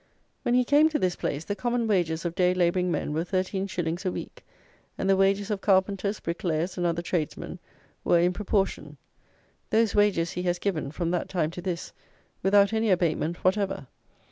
When he came to this place, the common wages of day labouring men were thirteen shillings a week, and the wages of carpenters, bricklayers, and other tradesmen, were in proportion. Those wages he has given, from that time to this, without any abatement whatever.